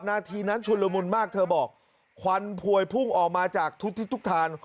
นาทีนั้นชุนละมุนมากเธอบอกควันพวยพุ่งออกมาจากทุกทิศทุกทาง